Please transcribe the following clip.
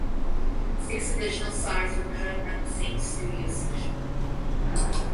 Six additional sides were cut at the same studio session.